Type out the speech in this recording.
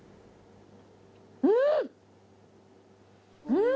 うん！